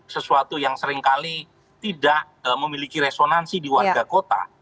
sesuatu yang seringkali tidak memiliki resonansi di warga kota